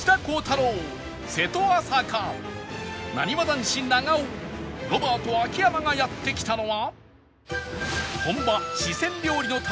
瀬戸朝香なにわ男子長尾ロバート秋山がやって来たのは